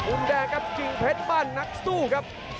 อุ่นแดงกับจิงเพชรบ้านนักสู้ครับ